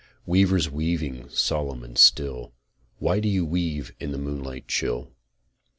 Weavers, weaving solemn and still, What do you weave in the moonlight chill?